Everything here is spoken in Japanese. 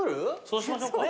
そうしましょうか。